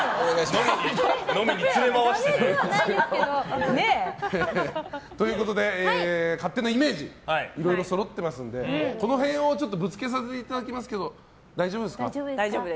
飲みに連れまわして。ということで勝手なイメージがいろいろそろってますのでこの辺をぶつけさせていただきますけど大丈夫です。